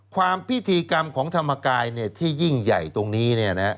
ความพิธีกรรมของธรรมกายที่ยิ่งใหญ่ตรงนี้